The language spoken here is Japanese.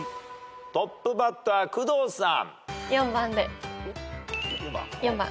トップバッター工藤さん。